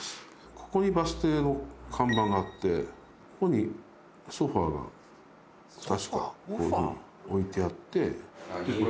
ここにバス停の看板があってが確かこういうふうに置いてあって。